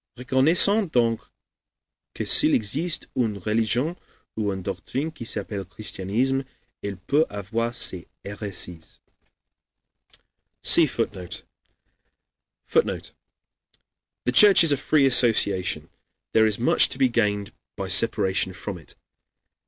Reconnaissons donc que s'il existe une religion ou une doctrine qui s'appelle christianisme, elle peut avoir ses hérésies." [see Footnote] [Footnote: "The Church is a free association; there is much to be gained by separation from it.